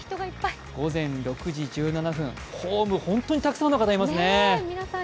午前６時１７分、ホーム、本当にたくさんの方がいますね。